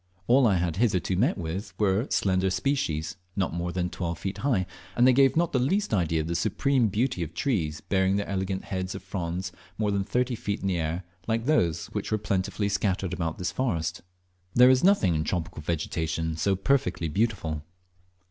All I had hitherto met with were slender species, not more than twelve feet high, and they gave not the least idea of the supreme beauty of trees bearing their elegant heads of fronds more than thirty feet in the air, like those which were plentifully scattered about this forest. There is nothing in tropical vegetation so perfectly beautiful.